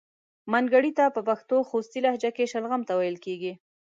منګړیته په پښتو خوستی لهجه کې شلغم ته ویل کیږي.